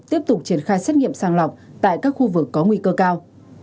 tiếp tục triển khai xét nghiệm sàng lọc tại các khu vực có nguy cơ cao